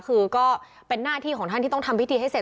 คือก็เป็นหน้าที่ของท่านที่ต้องทำพิธีให้เสร็จ